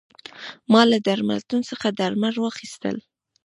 ما له درملتون څخه درمل واخیستل.